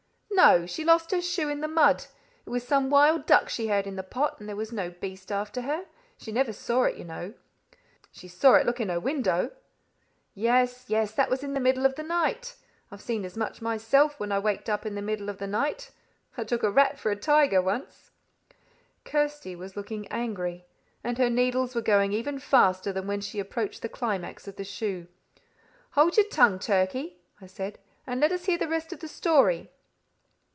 "No. She lost her shoe in the mud. It was some wild duck she heard in the pot, and there was no beast after her. She never saw it, you know." "She saw it look in at her window." "Yes, yes. That was in the middle of the night. I've seen as much myself when I waked up in the middle of the night. I took a rat for a tiger once." Kirsty was looking angry, and her needles were going even faster than when she approached the climax of the shoe. "Hold your tongue, Turkey," I said, "and let us hear the rest of the story."